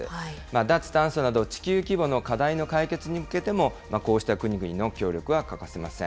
脱炭素など、地球規模の課題の解決に向けても、こうした国々の協力は欠かせません。